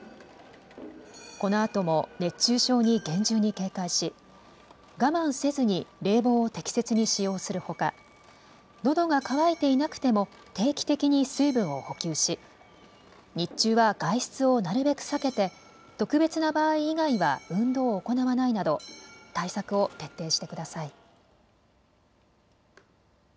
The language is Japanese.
このあとも熱中症に厳重に警戒し我慢せずに冷房を適切に使用するほかのどが渇いていなくても定期的に水分を補給し日中は外出をなるべく避けて特別な場合以外は運動を行わないなど対策を徹底してください。